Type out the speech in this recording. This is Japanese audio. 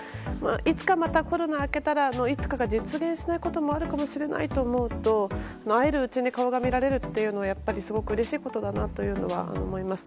いつかまたコロナが明けたらのいつかが実現しないこともあるかもしれないと思うと会えるうちに顔が見られるっていうのはすごくうれしいことだなというのは思います。